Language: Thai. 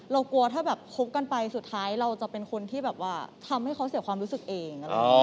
กลัวถ้าแบบคบกันไปสุดท้ายเราจะเป็นคนที่แบบว่าทำให้เขาเสียความรู้สึกเอง